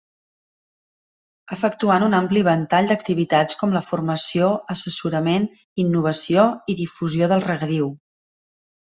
Efectuant un ampli ventall d'activitats com la formació, assessorament, innovació i difusió del Regadiu.